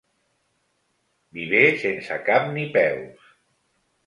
Viver sense cap ni peus.